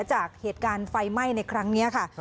จากเหตุการณ์ไฟไหม้ในครั้งนี้ค่ะ